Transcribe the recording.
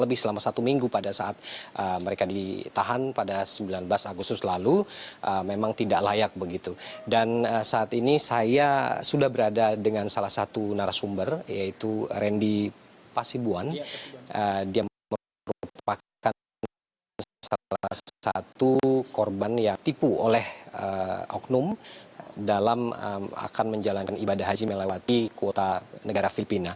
lebih senang lebih lega